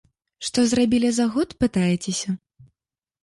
Што зрабілі за год, пытаецеся?